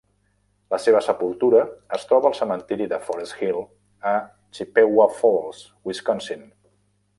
La seva sepultura es troba al cementiri de Forest Hill a Chippewa Falls, Wisconsin.